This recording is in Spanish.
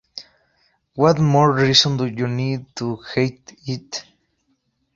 What more reason do you need to hate it?